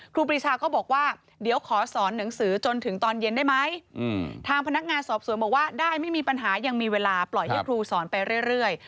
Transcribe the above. ครูปีชาก็บอกว่าเดี๋ยวขอสอนหนังสือจนถึงตอนเย็นได้ไหมทางพนักงานสอบสวนบอกว่าได้ไม่มีปัญหายังมีเวลาปล่อยให้ครูสอนไปเรื่อย